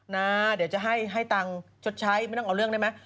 นะเดี๋ยวจะให้ตังค์ชดใช้ไม่ต้องเอาเรื่องได้ไหม